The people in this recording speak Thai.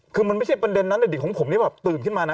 คือมันไม่ใช่ประเด็นนั้นอดีตของผมนี่แบบตื่นขึ้นมานะ